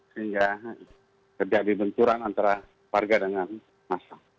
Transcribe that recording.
sehingga terjadi benturan antara warga dengan masa